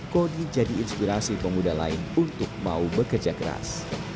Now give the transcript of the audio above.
kodi jadi inspirasi pemuda lain untuk mau bekerja keras